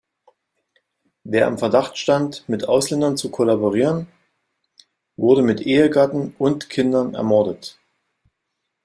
Wer im Verdacht stand, mit Ausländern zu kollaborieren, wurde mit Ehegatten und Kindern ermordet.